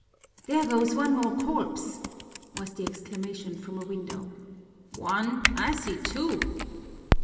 "There goes one more corpse!" was the exclamation from a window. "One? I see two."